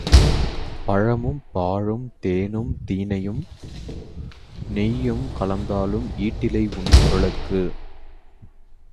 பழமும், பாலும், தேனும், தினையும், நெய்யும் கலந்தாலும் ஈடில்லை உன் குரலுக்கு.